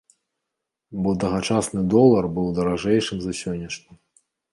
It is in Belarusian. Бо тагачасны долар быў даражэйшым за сённяшні.